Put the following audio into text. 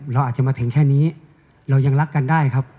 เราอาจจะมาถึงแค่นี้เรายังรักกันได้ครับ